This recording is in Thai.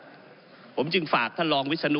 ก็ได้มีการอภิปรายในภาคของท่านประธานที่กรกครับ